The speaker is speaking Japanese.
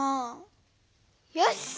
よし！